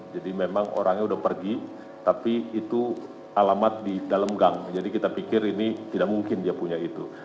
jadi memang orangnya sudah pergi tapi itu alamat di dalam gang jadi kita pikir ini tidak mungkin dia punya itu